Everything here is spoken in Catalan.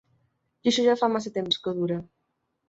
I això ja fa massa temps que dura.